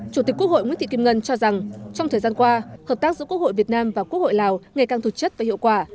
chủ tịch quốc hội nguyễn thị kim ngân cho rằng trong thời gian qua hợp tác giữa quốc hội việt nam và quốc hội lào ngày càng thực chất và hiệu quả